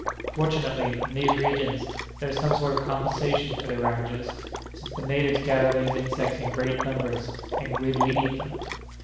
Fortunately, in these regions, there is some sort of compensation for their ravages, since the natives gather these insects in great numbers and greedily eat them."